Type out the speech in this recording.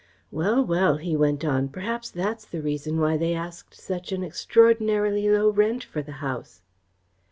Well, well," he went on, "perhaps that's the reason why they asked such an extraordinarily low rent for the house."